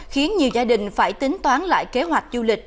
khiến nhiều gia đình phải tính toán lại kế hoạch du lịch